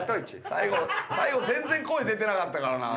最後全然声出てなかったからな。